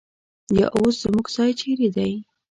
یا اوس زموږ ځای چېرې دی؟